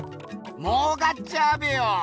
もうかっちゃうべよ。